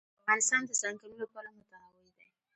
افغانستان د ځنګلونه له پلوه متنوع دی.